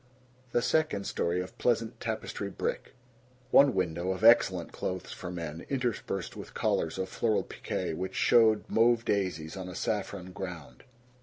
The second story of pleasant tapestry brick. One window of excellent clothes for men, interspersed with collars of floral pique which showed mauve daisies on a saffron ground.